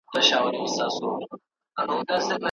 بس همدا د زورورو عدالت دی